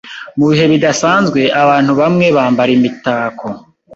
Mu bihe bidasanzwe, abantu bamwe bambara imitako.